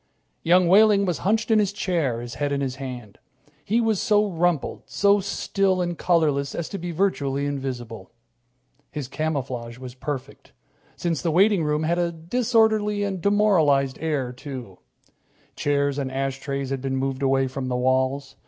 Young Wehling was hunched in his chair, his head in his hand. He was so rumpled, so still and colorless as to be virtually invisible. His camouflage was perfect, since the waiting room had a disorderly and demoralized air, too. Chairs and ashtrays had been moved away from the walls.